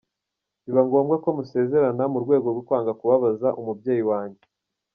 Biba ngombwa ko musezerera mu rwego rwo kwanga kubabaza umubyeyi wanjye.